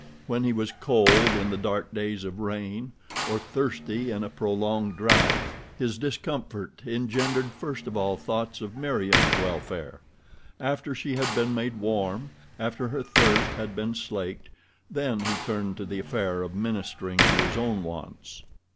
When he was cold in the dark days of rain, or thirsty in a prolonged drouth, his discomfort engendered first of all thoughts of Meriem's welfare—after she had been made warm, after her thirst had been slaked, then he turned to the affair of ministering to his own wants.